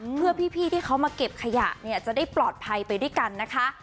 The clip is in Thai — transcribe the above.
เพื่อพี่ที่เขามาเก็บขยะเนี่ยจะได้ปลอดภัยไปด้วยกันนะคะ